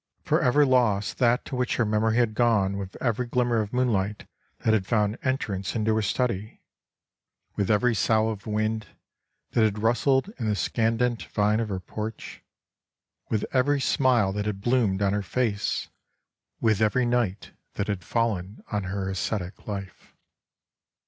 For ever lost that to which her memory had gone with every glimmer of moonlight that had found entrance into her study, with every sough of wind that had rustled in the scandent vine of her porch, with every smile that had bloomed on her face, with every night that had fallen on her ascetic life.